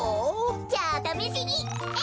じゃあためしにえい！